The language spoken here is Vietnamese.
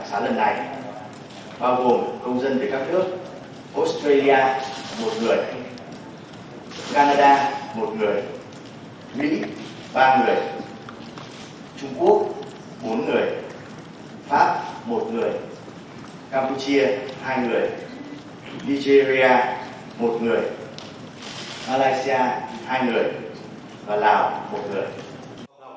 algeria một người malaysia hai người và lào một người